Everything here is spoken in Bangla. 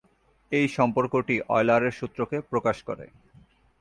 এই সম্পর্কটি অয়লারের সূত্রকে প্রকাশ করে।